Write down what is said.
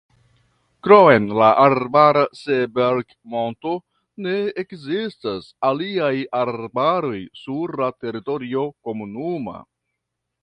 Krom la arbara Seeberg-monto ne ekzistas aliaj arbaroj sur la teritorio komunuma.